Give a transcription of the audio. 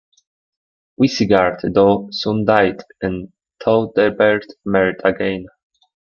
Wisigard, though, soon died, and Theudebert married again.